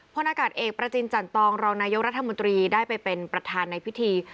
นากาศเอกประจินจันตองรองนายกรัฐมนตรีได้ไปเป็นประธานในพิธี